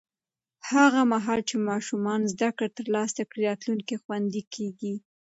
هغه مهال چې ماشومان زده کړه ترلاسه کړي، راتلونکی خوندي کېږي.